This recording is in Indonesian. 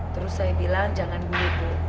terus saya bilang jangan bunuh ibu